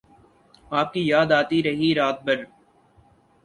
آپ کی یاد آتی رہی رات بھر